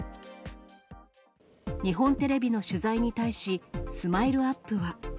日本テレビの取材に対し、スマイルアップは。